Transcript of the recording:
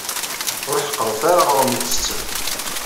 Ur ḥeqṛet ara aɣṛum i tettem.